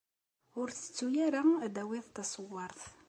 Ur tettu ara ad tawiḍ taṣewwart.